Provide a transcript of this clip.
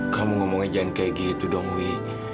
kamu ngomong aja jangan kayak gitu dong wi